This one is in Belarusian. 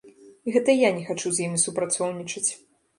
Гэта я не хачу з імі супрацоўнічаць.